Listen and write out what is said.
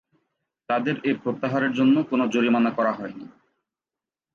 তাদের এ প্রত্যাহারের জন্য কোন জরিমানা করা হয়নি।